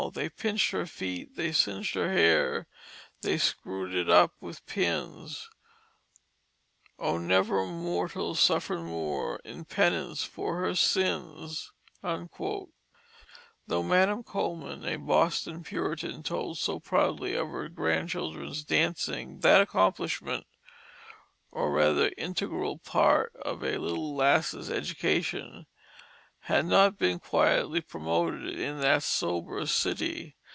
They pinched her feet, they singed her hair, They screwed it up with pins Oh, never mortal suffered more In penance for her sins." Though Madam Coleman, a Boston Puritan, told so proudly of her grandchildren's dancing, that accomplishment, or rather integral part of a little lass's education, had not been quietly promoted in that sober city.